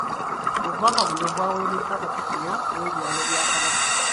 Obubaka buno bubaweereddwa Katikkiro w’ebyalo bya Kabaka.